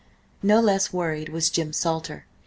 No less worried was Jim Salter.